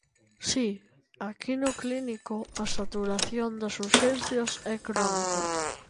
Si, aquí, no Clínico, a saturación das Urxencias é crónica.